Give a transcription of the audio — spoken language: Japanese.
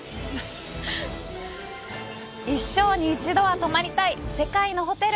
一生に一度は泊まりたい海外のホテル。